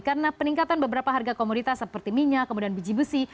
karena peningkatan beberapa harga komoditas seperti minyak kemudian biji biji